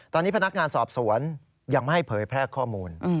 ตอนนี้พนักงานสอบสวนยังไม่ให้เผยแพร่ข้อมูล